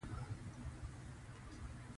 زمونږ ديني علم زده کوونکي منطق ، فلسفه ،